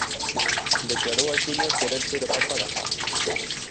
Declarou axiña querer ser o papa da paz.